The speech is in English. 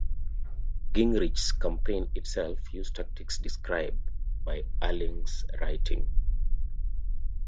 Gingrich's campaign itself used tactics described by Alinsky's writing.